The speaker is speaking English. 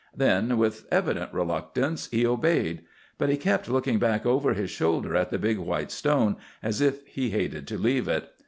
Then, with evident reluctance, he obeyed. But he kept looking back over his shoulder at the big white stone, as if he hated to leave it.